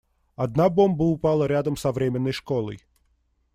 Одна бомба упала рядом с временной школой.